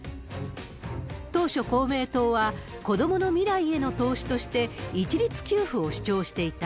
当初、公明党は、子どもの未来への投資として、一律給付を主張していた。